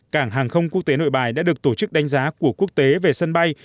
cảng hàng không quốc tế nội bài đã được tổ chức đánh giá của quốc tế về sân bay